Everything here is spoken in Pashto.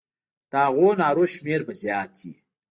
د هغو نارو شمېر به زیات وي.